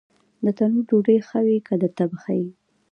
د تنور ډوډۍ ښه وي که د تبخي؟